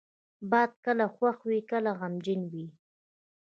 باد کله خوښ وي، کله غمجنه وي